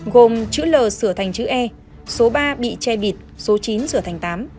gồm chữ l sửa thành chữ e số ba bị che bịt số chín sửa thành tám